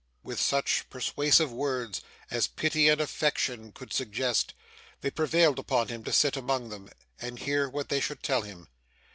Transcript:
With such persuasive words as pity and affection could suggest, they prevailed upon him to sit among them and hear what they should tell him.